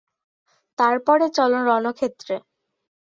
তার পরে, চলো রণক্ষেত্রে!